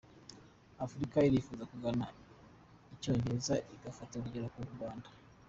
Afurica irifuza kugana Icyongereza ifatiye urugero k’u Rwanda